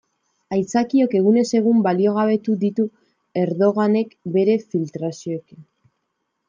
Aitzakiok egunez egun baliogabetu ditu Erdoganek bere filtrazioekin.